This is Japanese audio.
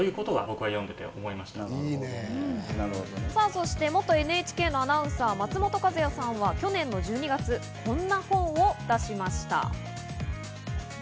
そして元ＮＨＫのアナウンサー・松本和也さんは去年の１２月、こんな本を出しました。